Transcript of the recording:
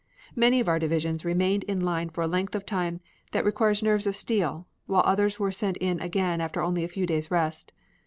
Many of our divisions remained in line for a length of time that required nerves of steel, while others were sent in again after only a few days of rest.